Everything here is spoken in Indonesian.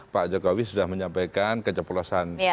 pak jokowi sudah menyampaikan keceplosan